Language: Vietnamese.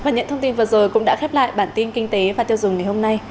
nhận thông tin vừa rồi cũng đã khép lại bản tin kinh tế và tiêu dùng ngày hôm nay